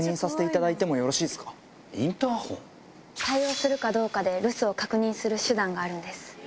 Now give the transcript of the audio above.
対応するかどうかで留守を確認する手段があるんです。